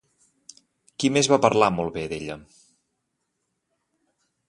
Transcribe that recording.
Qui més va parlar molt bé d'ella?